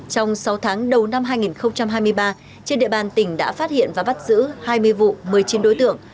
trong sáu tháng đầu năm hai nghìn hai mươi ba trên địa bàn tỉnh đã phát hiện và bắt giữ hai mươi vụ một mươi chín đối tượng